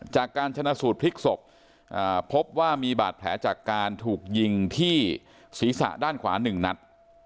จากการชนะสูตรพลิกศพพบว่ามีบาดแผลจากการถูกยิงที่ศีรษะด้านขวา๑นัด